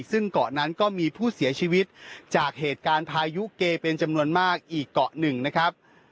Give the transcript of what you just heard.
ซึ่งเกาะนั้นก็มีผู้เสียชีวิตจากเหตุการณ์พายุเกเป็นจำนวนมากอีกเกาะหนึ่งนะครับ